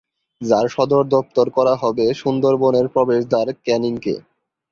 যার সদর দপ্তর করা হবে সুন্দরবনের প্রবেশদ্বার ক্যানিং-কে।